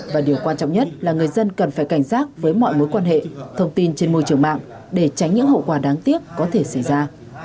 và điều quan trọng nhất là người dân cần phải cảnh giác với mọi mối quan hệ thông tin trên môi trường mạng để tránh những hậu quả đáng tiếc có thể xảy ra